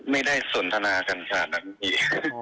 ไม่ได้สนทนากันขนาดนั้นพี่